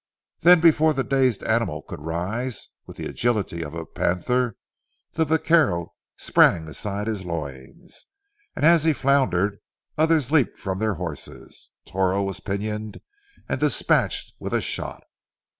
Then before the dazed animal could rise, with the agility of a panther the vaquero sprang astride his loins, and as he floundered, others leaped from their horses. Toro was pinioned, and dispatched with a shot.